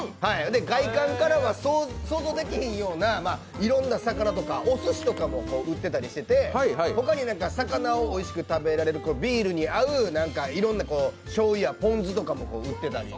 外観からは想像できひんようないろんな魚とかおすしとかも売ってたりしていて他に魚をおいしく食べられるビールに合ういろんなしょうゆやポン酢とかも売ってたり。